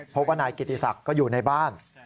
พบว่านายกิติศักดิ์ก็อยู่ในบ้าน